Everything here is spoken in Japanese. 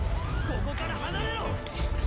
ここから離れろ！